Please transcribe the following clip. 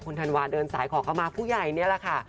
คุณธันวาเดินสายขอเข้ามาผู้ใหญ่นี่แหละค่ะ